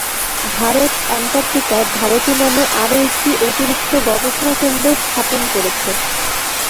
ভারত অ্যান্টার্কটিকায় ভারতী নামে আরও একটি অতিরিক্ত গবেষণা কেন্দ্র স্থাপন করেছে।